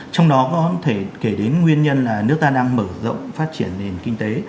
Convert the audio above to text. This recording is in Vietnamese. trong đó có thể kể đến nguyên nhân là nước ta đang mở rộng phát triển nền kinh tế